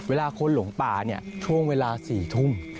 เวลาคนหลงป่าเนี่ยช่วงเวลา๔ทุ่ม